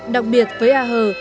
đặc biệt với a hờ